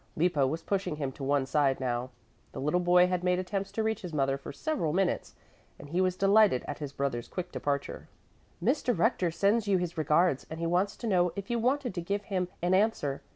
Lippo was pushing him to one side now. The little boy had made attempts to reach his mother for several minutes, and he was delighted at his brother's quick departure. "Mr. Rector sends you his regards and he wants to know if you wanted to give him an answer.